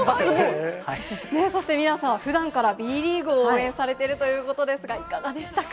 そしてミラさん、ふだんからＢリーグを応援されているということですが、いかがでしたか？